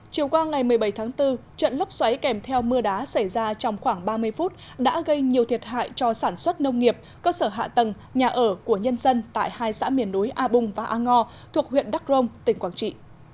chiều qua ngày một mươi bảy tháng bốn trận lốc xoáy kèm theo mưa đá xảy ra trong khoảng ba mươi phút đã gây nhiều thiệt hại cho sản xuất nông nghiệp cơ sở hạ tầng nhà ở của nhân dân tại hai xã miền núi a bung và a ngo thuộc huyện đắc rông tỉnh quảng trị